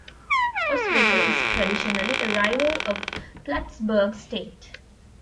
Oswego is traditionally a rival of Plattsburgh State.